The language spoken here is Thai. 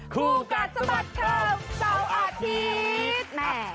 คูกัดสบัตรเขาเข้าอาทิตย์